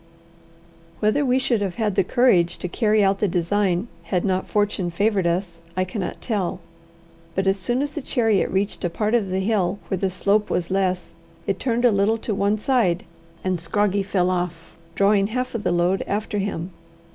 Whether we should have had the courage to carry out the design had not fortune favoured us, I cannot tell. But as soon as the chariot reached a part of the hill where the slope was less, it turned a little to one side, and Scroggie fell off, drawing half of the load after him.